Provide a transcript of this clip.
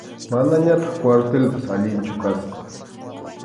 Manañataq kwartilpas alinchu kasqa.